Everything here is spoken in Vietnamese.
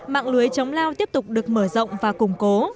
mạng lưới chống lao tiếp tục được mở rộng và củng cố